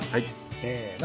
せの。